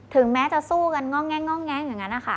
ถึงแม้จะสู้กันง้องแงงอย่างนั้น